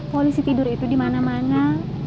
polisi tidur itu dimana mana